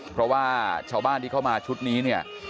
เพราะว่าชาวบ้านที่เข้ามาชุดนี้เนี่ย